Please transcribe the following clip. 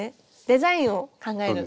デザインを考える。